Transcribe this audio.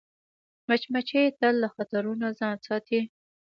مچمچۍ تل له خطرونو ځان ساتي